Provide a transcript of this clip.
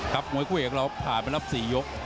ครับโมยผู้เหกเราผ่านไปรับ๔ยก